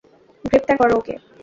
গ্রেপ্তার করো ওকে!